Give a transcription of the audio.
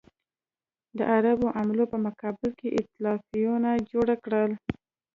د عربو حملو په مقابل کې ایتلافونه جوړ کړل.